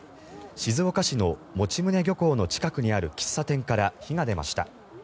静岡市の用宗漁港の近くにある喫茶店から火が出ました。